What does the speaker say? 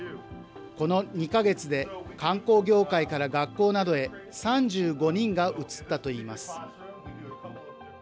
この２か月で、観光業界から学校などへ、３５人が移ったといいます。